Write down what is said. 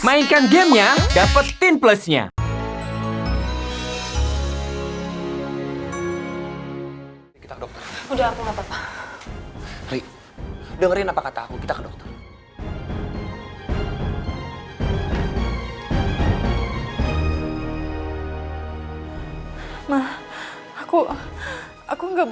mainkan gamenya dapetin plusnya